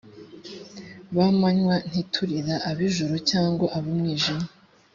b amanywa ntituri ab ijoro cyangwa ab umwijima